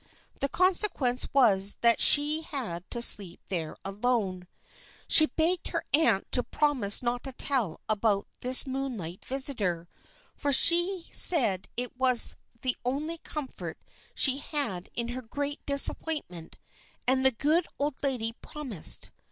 The consequence was that she had to sleep there alone. She begged her aunt to promise not to tell about this moonlight visitor, for she said it was the only comfort she had in her great disappointment, and the good old lady promised.